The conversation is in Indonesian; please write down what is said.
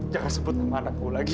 jangan sebut sama anakku lagi